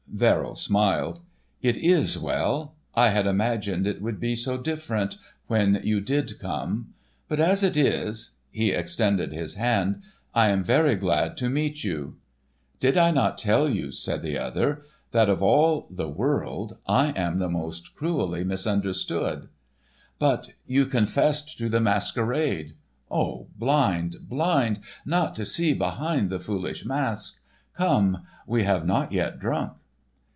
Verrill smiled: "It is well, I had imagined it would be so different,—when you did come. But as it is—," he extended his hand, "I am very glad to meet you." "Did I not tell you," said the other, "that of all the world, I am the most cruelly misunderstood?" "But you confessed to the masquerade." "Oh, blind, blind, not to see behind the foolish masque. Come, we have not yet drunk."